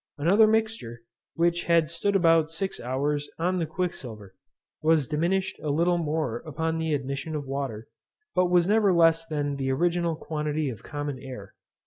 Another mixture, which had stood about six hours on the quicksilver, was diminished a little more upon the admission of water, but was never less than the original quantity of common air.